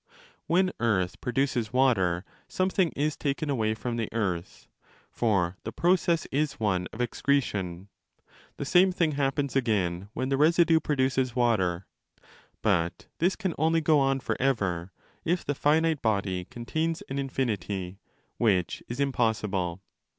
When earth produces water something is taken away from the earth, for the process is one of excretion. The same thing happens again when the residue produces water. 25 But this can only go on for ever, if the finite body con tains an infinity, which is impossible.